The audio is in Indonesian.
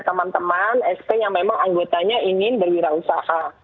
teman teman sp yang memang anggotanya ingin berwirausaha